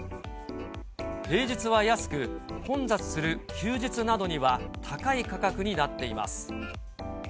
平日は安く、混雑する休日などには高い価格になっています。